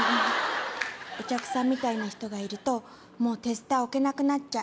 お客さんみたいな人がいるとテスター置けなくなっちゃう。